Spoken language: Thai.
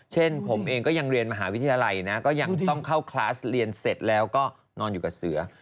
เช่นผมเองก็ยังเรียนมหาวิทยาลัยนะก็ยังต้องเข้าคลาสเรียนเสร็จแล้วก็นอนอยู่กับเสือ